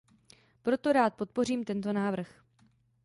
Proto rád podpořím tento návrh.